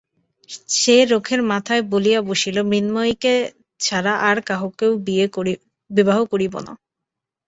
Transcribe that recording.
সে রোখের মাথায় বলিয়া বসিল, মৃন্ময়ীকে ছাড়া আর কাহাকেও বিবাহ করিব না।